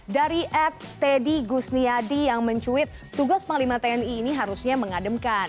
dari ed teddy gusniadi yang mencuit tugas panglima tni ini harusnya mengademkan